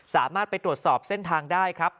สามารถไปตรวจสอบเส้นทางได้ครับ